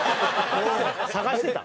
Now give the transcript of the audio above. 探してた？